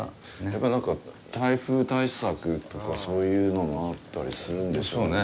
やっぱり、台風対策とか、そういうのがあったりするんでしょうけど。